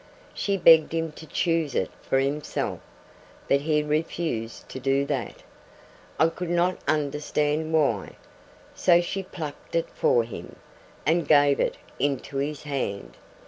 She begged him to choose it for himself, but he refused to do that I could not understand why so she plucked it for him, and gave it into his hand.